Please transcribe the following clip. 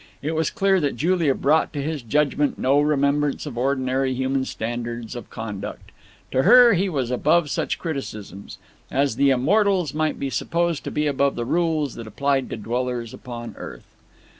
It was clear that Julia brought to his judgment no remembrance of ordinary human standards of conduct. To her he was above such criticisms, as the Immortals might be supposed to be above the rules that applied to dwellers upon earth.